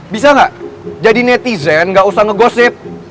bisa gak jadi netizen gak usah ngegosip